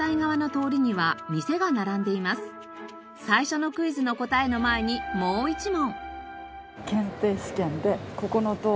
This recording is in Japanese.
最初のクイズの答えの前にもう１問。